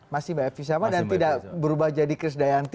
masih mbak evi sama dan tidak berubah jadi chris dayanti